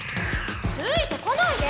ついてこないで！